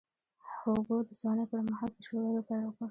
هوګو د ځوانۍ پر مهال په شعر ویلو پیل وکړ.